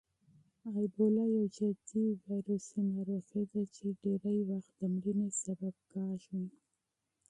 اېبولا یوه جدي ویروسي ناروغي ده چې ډېری وخت د مړینې سبب کېږي.